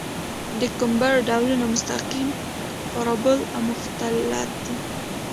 د کمبر ډولونه مستقیم، پارابول او مختلط دي